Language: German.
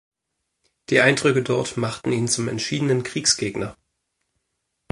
Die Eindrücke dort machten ihn zum entschiedenen Kriegsgegner.